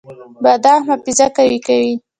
بادام حافظه قوي کوي